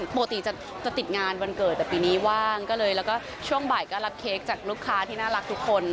ปกติจะติดงานวันเกิดแต่ปีนี้ว่างก็เลยแล้วก็ช่วงบ่ายก็รับเค้กจากลูกค้าที่น่ารักทุกคน